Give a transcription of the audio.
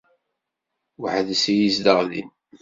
Weḥd-s i yezdeɣ din.